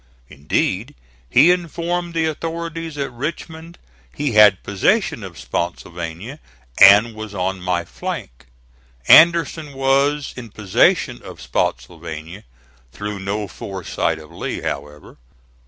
Indeed, he informed the authorities at Richmond he had possession of Spottsylvania and was on my flank. Anderson was in possession of Spottsylvania, through no foresight of Lee, however.